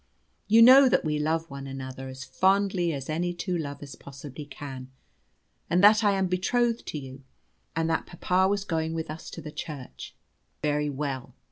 You know that we love one another as fondly as any two lovers possibly can, and that I am betrothed to you, and that papa was going with us to the church. Very well.